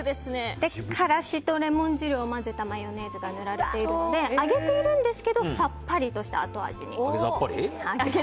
からしとレモン汁を混ぜたマヨネーズが塗られているので揚げているんですけどさっぱりとした後味に。